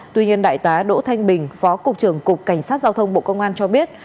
tuy nhiên đại tá đỗ thanh bình phó cục trưởng cục cảnh sát giao thông bộ công an cho biết